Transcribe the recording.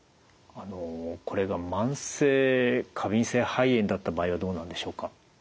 あのこれが慢性過敏性肺炎だった場合はどうなんでしょうか？